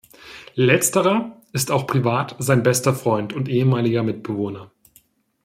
Letzterer ist auch privat sein bester Freund und ehemaliger Mitbewohner.